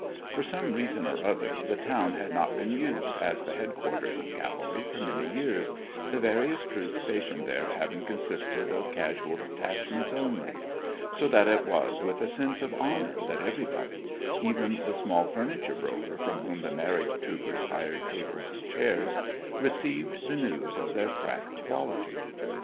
For some reason or other the town had not been used as the headquarters of cavalry for many years, the various troops stationed there having consisted of casual detachments only; so that it was with a sense of honour that everybody even the small furniture broker from whom the married troopers hired tables and chairs received the news of their crack quality.